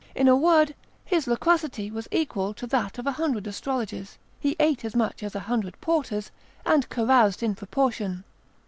In a word, his loquacity was equal to that of a hundred astrologers; he ate as much as a hundred porters, and caroused in proportion.